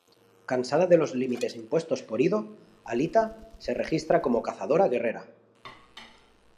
Cansada de los límites impuestos por Ido, Alita se registra como Cazadora-Guerrera.